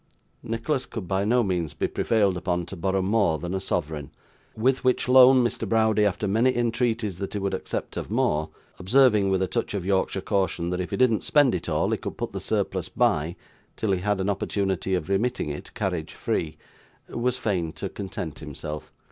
Nicholas could by no means be prevailed upon to borrow more than a sovereign, with which loan Mr. Browdie, after many entreaties that he would accept of more (observing, with a touch of Yorkshire caution, that if he didn't spend it all, he could put the surplus by, till he had an opportunity of remitting it carriage free), was fain to content himself.